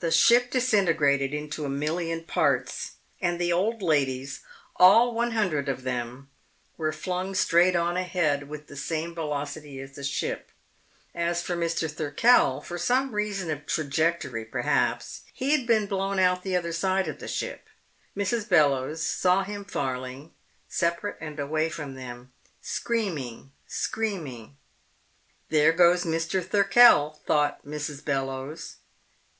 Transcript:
The ship disintegrated into a million parts, and the old ladies, all one hundred of them, were flung straight on ahead with the same velocity as the ship. As for Mr. Thirkell, for some reason of trajectory, perhaps, he had been blown out the other side of the ship. Mrs. Bellowes saw him falling separate and away from them, screaming, screaming. There goes Mr. Thirkell, thought Mrs. Bellowes.